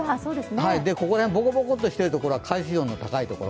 ここら辺、ボコボコとしているのは海水温が高いところ。